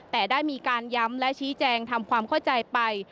แต่ได้มีการย้ำและชี้แจงทำความเข้าใจไป